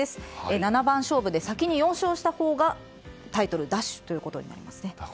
七番勝負で先に４勝したほうがタイトル奪取ということです。